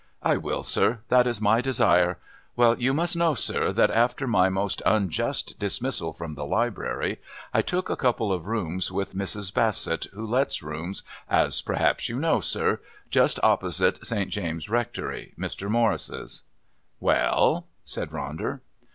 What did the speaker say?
"I will, sir. That is my desire. Well, you must know, sir, that after my most unjust dismissal from the Library I took a couple of rooms with Mrs. Bassett who lets rooms, as perhaps you know, sir, just opposite St. James' Rectory, Mr. Morris's." "Well?" said Ronder.